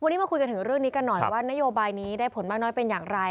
วันนี้มาคุยกันถึงเรื่องนี้กันหน่อยว่านโยบายนี้ได้ผลมากน้อยเป็นอย่างไร